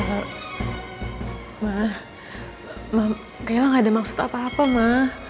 ehm ma ma kailah gak ada maksud apa apa ma